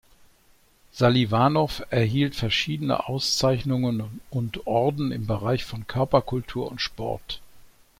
Seliwanow erhielt verschiedene Auszeichnungen und Orden im Bereich von Körperkultur und Sport.